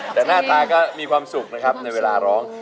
แต่หน้าตาก็มีความสุขนะครับในเวลาร้อง